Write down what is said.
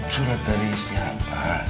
surat dari siapa